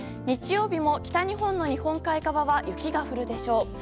日曜日も、北日本の日本海側は雪が降るでしょう。